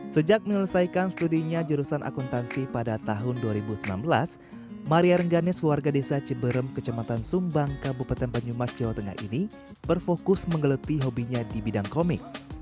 sejak menyelesaikan studinya jurusan akuntansi pada tahun dua ribu sembilan belas maria rengganis warga desa ciberem kecamatan sumbang kabupaten banyumas jawa tengah ini berfokus menggeleti hobinya di bidang komik